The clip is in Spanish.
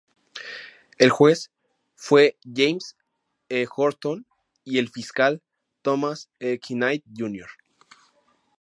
El juez fue James E. Horton y el fiscal, Thomas E. Knight, Jr.